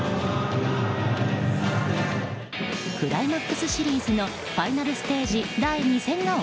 クライマックスシリーズのファイナルステージ第２戦が